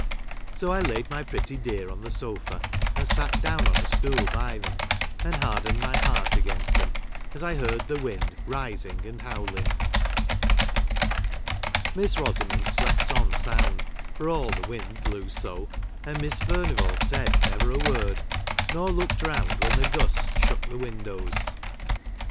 So, I laid my pretty dear on the ■ sofa, and sat down on a stool by them, and haixleued my heart against them as I heard the wind rising and howling. Miss Rosamond slept on sound, for all the 1 wind blew so ; and Miss Furnivall said never a word, nor looked round when the gusts shook the windows.